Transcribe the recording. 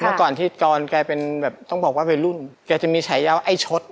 เมื่อก่อนที่กรแกเป็นแบบต้องบอกว่าวัยรุ่นแกจะมีฉายาว่าไอ้ชด